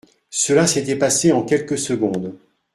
Cela s'était passé en quelques secondes.